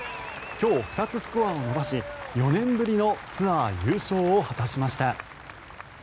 今日、２つスコアを伸ばし４年ぶりのツアー優勝を果たしました。